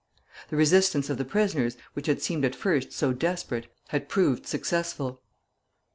The resistance of the prisoners, which had seemed at first so desperate, had proved successful.